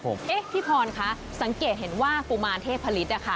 พี่พรค่ะสังเกตเห็นว่ากุมารเทพภริษฐ์ค่ะ